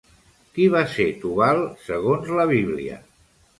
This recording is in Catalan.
Qui va ser Tubal segons la Bíblia?